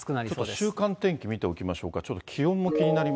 ちょっと週間天気見ておきましょうか。